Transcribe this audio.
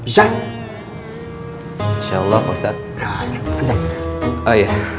insya allah pak ustadz